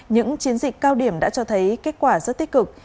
những chiến dịch cao điểm đã cho thấy kết quả rất tích cực